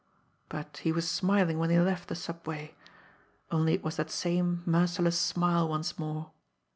But he was smiling when he left the subway only it was that same merciless smile once more.